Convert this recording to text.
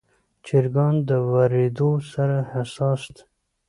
چرګان د وریدو سره حساس دي.